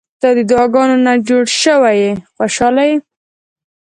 • ته د دعاګانو نه جوړه شوې خوشالي یې.